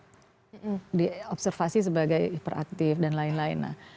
ada juga dia dapat diobservasi sebagai hiperaktif dan lain lain